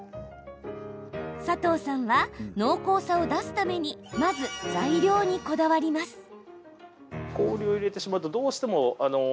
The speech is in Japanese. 佐藤さんは濃厚さを出すためにまず、材料にこだわります。